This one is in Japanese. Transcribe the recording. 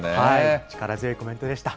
力強いコメントでした。